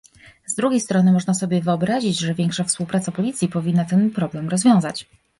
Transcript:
Z drugiej strony można sobie wyobrazić, że większa współpraca policji powinna ten problem rozwiązać